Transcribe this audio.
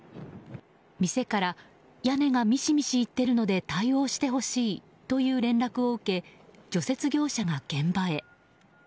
店から屋根がミシミシいっているので対応してほしいという連絡を受け、除雪業者が現場へ。